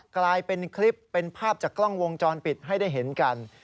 กลายเป็นคลิปเป็นภาพจากกล้องวงจรปิดให้ได้เห็นกัน